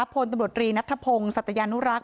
พลตำรวจรีนัทธพงศ์สัตยานุรักษ